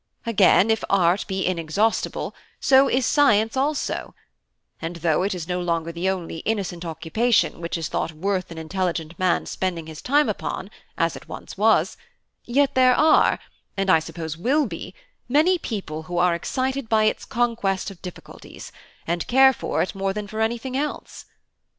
Again, if art be inexhaustible, so is science also; and though it is no longer the only innocent occupation which is thought worth an intelligent man spending his time upon, as it once was, yet there are, and I suppose will be, many people who are excited by its conquest of difficulties, and care for it more than for anything else.